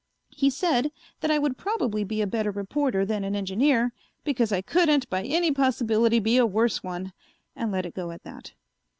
He said that I would probably be a better reporter than an engineer because I couldn't by any possibility be a worse one, and let it go at that.